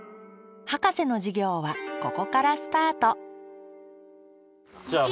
ハカセの授業はここからスタートじゃあ